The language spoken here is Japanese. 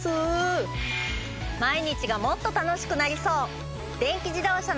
毎日がもっと楽しくなりそう！